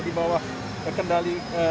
di bawah kekendali ke